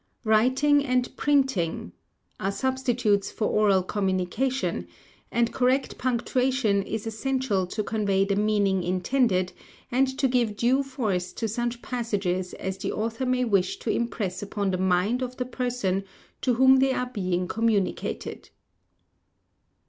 Writing and Printing are substitutes for oral communication; and correct punctuation is essential to convey the meaning intended, and to give due force to such passages as the author may wish to impress upon the mind of the person to whom they are being communicated.